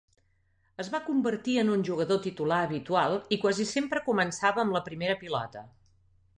Es va convertir en un jugador titular habitual i quasi sempre començava amb la primera pilota.